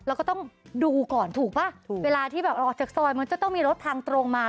แล้วก็ต้องดูก่อนถูกป่ะถูกเวลาที่แบบออกจากซอยมันจะต้องมีรถทางตรงมา